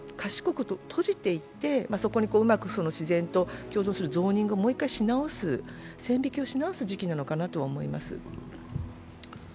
それを今度、賢く閉じていって、そこにうまく自然と共存するゾーニングをもう一回しなおす、線引きをし直す時期なのかなと思います。